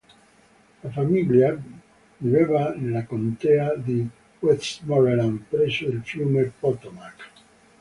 La famiglia viveva nella Contea di Westmoreland, presso il fiume Potomac.